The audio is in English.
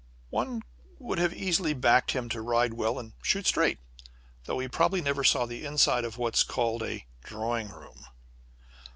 One would have easily backed him to ride well and shoot straight, though he probably never saw the inside of what is called a "drawing room."